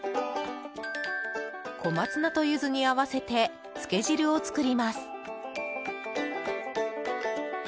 小松菜とユズに合わせてつけ汁を作ります。